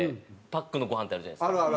パックのご飯ってあるじゃないですか。